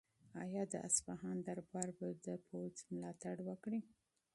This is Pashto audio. آیا د اصفهان دربار به د پوځ ملاتړ وکړي؟